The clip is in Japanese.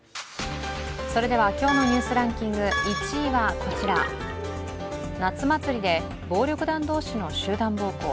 今日の「ニュースランキング」、１位はこちら、夏祭りで暴力団同士の集団暴行。